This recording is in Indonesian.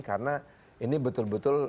karena ini betul betul